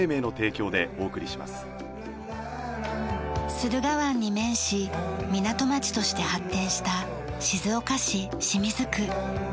駿河湾に面し港町として発展した静岡市清水区。